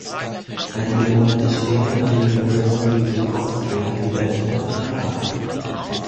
Einige Monate später nahm Universal Music Austria die Band unter Vertrag.